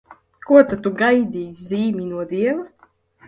Ko tad tu gaidīji, zīmi no Dieva?